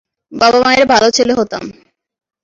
বাবা-মায়ের ভালো ছেলে হতাম।